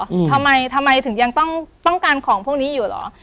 อืมทำไมทำไมถึงยังต้องต้องการของพวกนี้อยู่เหรอ